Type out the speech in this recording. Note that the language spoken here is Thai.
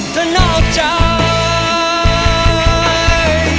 เธอนอกใจ